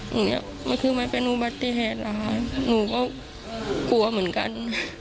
หนูอยากมาขึ้นมาเป็นอุบัติแหละหนูก็กลัวเหมือนกัน